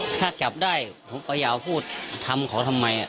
ถ้าจับได้ผมก็อยากพูดทำเขาทำไม